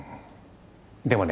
でもね